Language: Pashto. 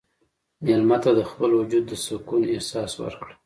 مېلمه ته د خپل وجود د سکون احساس ورکړه.